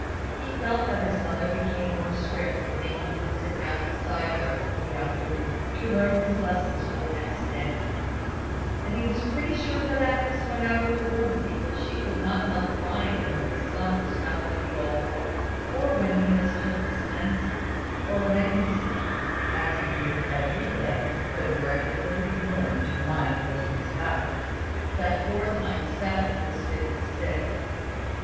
He felt that his mother became more strict in making him sit down beside her, in the afternoon, to learn his lessons for the next day; and he was pretty sure that Agnes went out of the room because she could not help crying when his sum was found to be all wrong, or when he mistook his tenses, or when he said (as he did every day, though regularly warned to mind what he was about) that four times seven is fifty six.